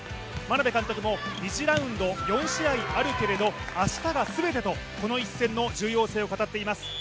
眞鍋監督も２次ラウンド、４試合あるけれど明日が全てと、この一戦の重要性を語っています。